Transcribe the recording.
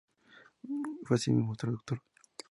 Fue, asimismo, traductor.